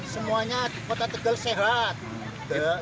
semuanya kota tegal sehat